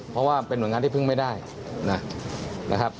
เพราะว่าเป็นหน่วยงานที่พึ่งไม่ได้นะครับ